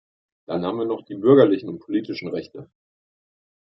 Dann haben wir noch die bürgerlichen und politischen Rechte.